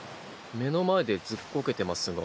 目の前でずっこけてますが。